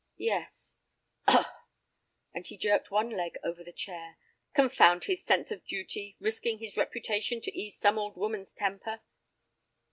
"Yes." "Ugh!" and he jerked one leg over the chair; "confound his sense of duty, risking his reputation to ease some old woman's temper."